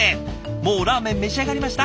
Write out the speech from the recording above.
もうラーメン召し上がりました？